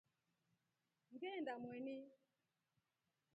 Ngeenda Mweni.